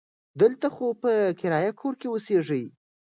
دلته خو په کرایي کور کې اوسیږي.